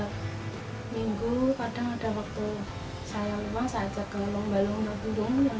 setiap minggu kadang ada waktu saya memang saya ajak ke lomba lomba burung